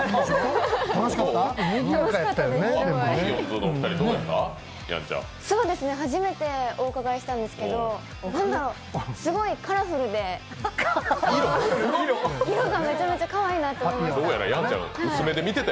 パピヨンズさん、初めてお伺いしたんですけど何だろう、すごいカラフルで色でめちゃめちゃかわいいなと思いました。